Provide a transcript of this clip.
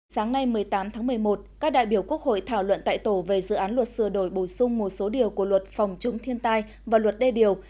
sáng nay một mươi tám tháng một mươi một các đại biểu quốc hội thảo luận tại tổ về dự án luật sửa đổi bổ sung một số điều của luật phòng chống thiên tai và luật đê điều